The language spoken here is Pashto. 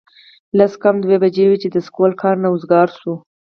لس کم دوه بجې وې چې د سکول کار نه اوزګار شو